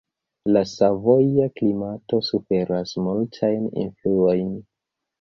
La savoja klimato suferas multajn influojn.